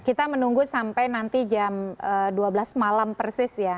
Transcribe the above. kita menunggu sampai nanti jam dua belas malam persis ya